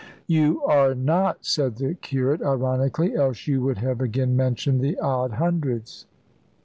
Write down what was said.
"You are not," said the curate, ironically, "else you would have again mentioned the odd hundreds."